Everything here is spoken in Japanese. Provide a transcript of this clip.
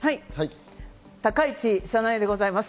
高市早苗でございます。